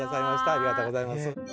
ありがとうございます。